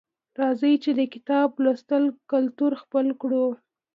راځئ چې د کتاب لوستلو کلتور خپل کړو